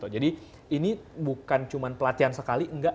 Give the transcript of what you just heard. jadi ini bukan cuma pelatihan sekali enggak